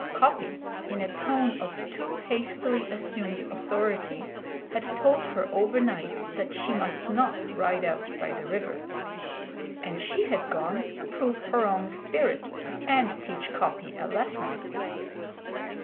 Coppy, in a tone of too hastily assumed authority, had told her overnight that she must not ride out by the river. And she had gone to prove her own spirit and teach Coppy a lesson.